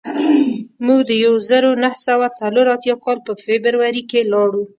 موږ د یو زرو نهه سوه څلور اتیا کال په فبروري کې لاړو